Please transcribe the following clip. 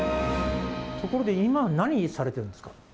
ところで今、何されているんですか。